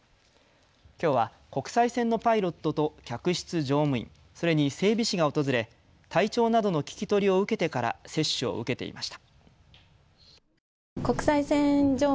きょうは国際線のパイロットと客室乗務員、それに整備士が訪れ体調などの聞き取りを受けてから接種を受けていました。